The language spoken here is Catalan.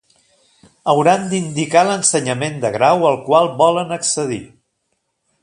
Hauran d'indicar l'ensenyament de grau al qual volen accedir.